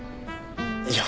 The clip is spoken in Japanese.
いや。